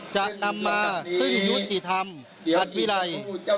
จะนำมาซึ่งยุติธรรมอัดวิรัย